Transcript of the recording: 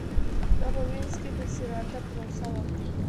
دا په وینز کې د سېراتا پروسه وه